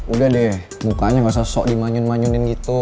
udah deh mukanya gak usah sok dimanyun manyunin gitu